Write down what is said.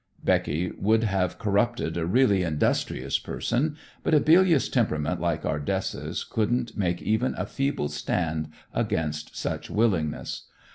Becky would have corrupted a really industrious person, but a bilious temperament like Ardessa's couldn't make even a feeble stand against such willingness.